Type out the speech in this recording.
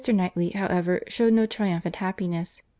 Knightley, however, shewed no triumphant happiness.